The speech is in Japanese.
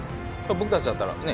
僕達だったらね